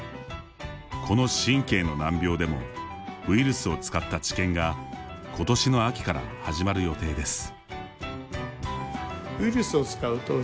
この神経の難病でもウイルスを使った治験がことしの秋から始まる予定です。